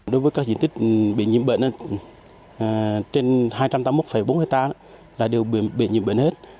đối với các diện tích bị nhiễm bệnh trên hai trăm tám mươi một bốn hectare là đều bị nhiễm bệnh hết